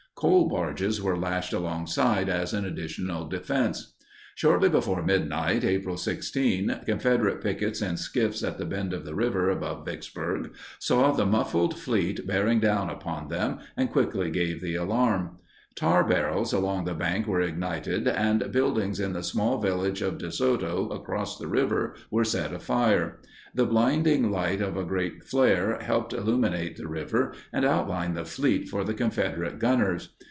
Coal barges were lashed alongside as an additional defense. Shortly before midnight, April 16, Confederate pickets in skiffs at the bend of the river above Vicksburg saw the muffled fleet bearing down upon them and quickly gave the alarm. Tar barrels along the bank were ignited and buildings in the small village of De Soto across the river were set afire. The blinding light of a great flare helped illuminate the river and outline the fleet for the Confederate gunners.